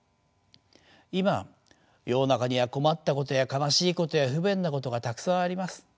今世の中には困ったことや悲しいことや不便なことがたくさんあります。